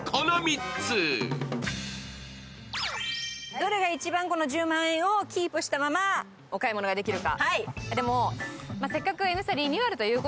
どれが一番この１０万円をキープしたままお買い物ができるか。